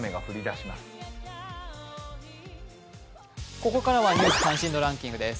ここからは「ニュース関心度ランキング」です。